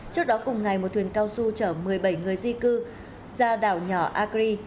trước đó cùng ngày một thuyền cao su chở một mươi bảy người di cư ra đảo nhỏ agri